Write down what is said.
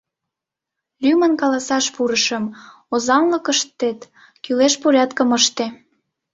Лӱмын каласаш пурышым: озанлыкыштет кӱлеш порядкым ыште.